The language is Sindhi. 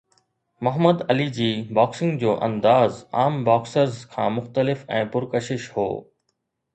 محمد علي جي باڪسنگ جو انداز عام باڪسرز کان مختلف ۽ پرڪشش هو.